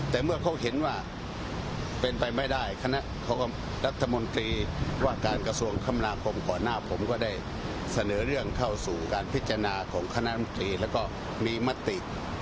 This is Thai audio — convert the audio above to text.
แต่เมื่อเขาเห็นว่าเป็นไปไม่ได้คณะรัฐมนตรีว่าการกระทรวงคมนาคมก่อนหน้าผมก็ได้เสนอเรื่องเข้าสู่การพิจารณาของคณะมนตรีแล้วก็มีมติ